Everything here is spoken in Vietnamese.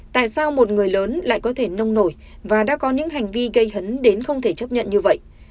tại sao một người lớn lại có thể nông nổi và đã có những hành vi gây hấn đến không thể chấp nhận như vậy